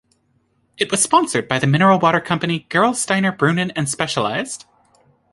It was sponsored by the mineral water company Gerolsteiner Brunnen and Specialized.